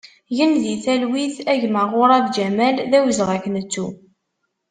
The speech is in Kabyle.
Gen di talwit a gma ƔUrab Ǧamal, d awezɣi ad k-nettu!